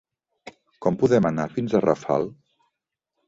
Com podem anar fins a Rafal?